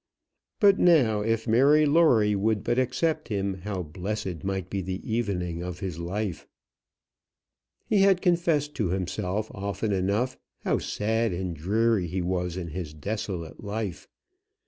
But now if Mary Lawrie would but accept him, how blessed might be the evening of his life! He had confessed to himself often enough how sad and dreary he was in his desolate life.